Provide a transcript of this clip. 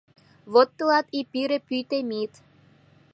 Вот тылат и «Пире пӱй Темит!»